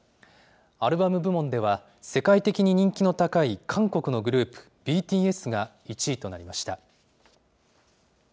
アルバム部門では世界的に人気の高い韓国のグループ、ＢＴＳが１位となりました。